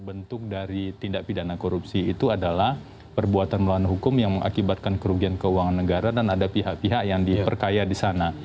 bentuk dari tindak pidana korupsi itu adalah perbuatan melawan hukum yang mengakibatkan kerugian keuangan negara dan ada pihak pihak yang diperkaya di sana